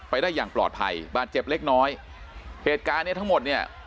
ได้อย่างปลอดภัยบาดเจ็บเล็กน้อยเหตุการณ์เนี้ยทั้งหมดเนี่ย